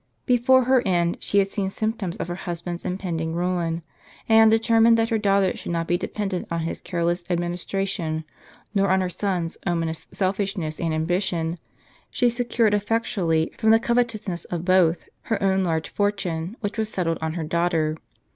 Before her end, she had seen symptoms of her husband's impending ruin; and, determined that her daughter should not be dependent on his careless administration, nor on her son's ominous selfishness and ambition, she secured effectually from the covetousness of both, her own large fortune, which was settled on her daughter.